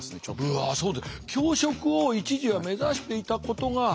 うわそう。